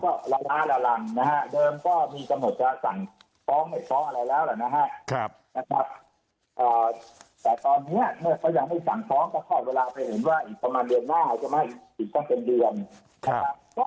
เพราะคณะงานอายการยังไม่ได้สั่งฟ้องนะครับแล้วก็ละล่าละลั่งนะครับ